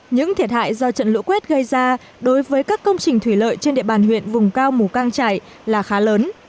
những thiệt hại do trận lũ quét gây ra đối với các công trình thủy lợi trên địa bàn huyện vùng cao mù căng trải là khá lớn